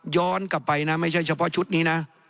ย้อนกลับไปนะไม่ใช่เฉพาะชุดนี้นะ